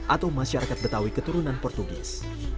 atau masyarakat betawi keturunan portugis